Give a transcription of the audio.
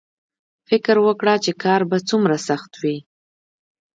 فکر وکړه چې کار به څومره سخت وي